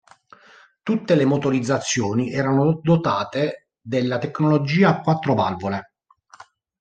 Tutte le motorizzazioni erano dotate della tecnologia a quattro valvole.